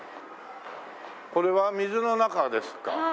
これは水の中ですか？